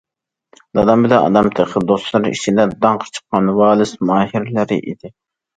دادام بىلەن ئانام تېخى دوستلىرى ئىچىدە داڭقى چىققان ۋالىس ماھىرلىرى ئىدى.